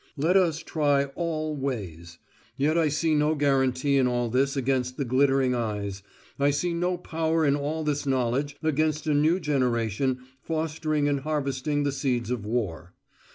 Let us try all ways. Yet I see no guarantee in all this against the glittering eyes: I see no power in all this knowledge against a new generation fostering and harvesting the seeds of war.